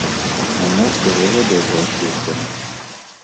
А ў нас дарога добра асветлена.